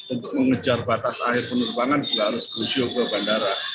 untuk mengejar batas akhir penerbangan juga harus berusia ke bandara